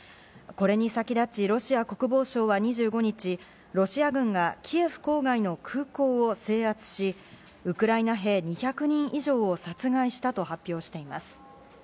これに先立ち、ロシア国防省は２５日、ロシア軍がキエフ郊外の空港を制圧し、ウクライナ兵２００人以上を殺害したと発表しています。